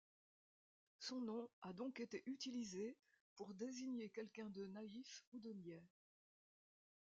Son nom a donc été utilisé pour désigner quelqu'un de naïf ou de niais.